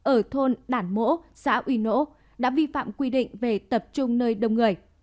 ở thôn đản mỗ xã uy nỗ đã vi phạm quy định về tập trung nơi đông người